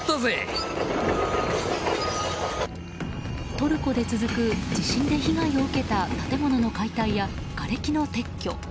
トルコで続く地震で被害を受けた建物の解体やがれきの撤去。